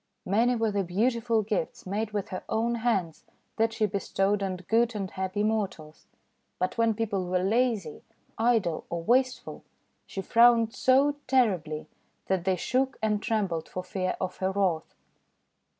Many were the beautiful gifts, made with her own hands, that she bestowed on good and happy mortals. But when people were lazy, idle, or wasteful, she frowned so terribly that they shook and trembled for fear of her wrath.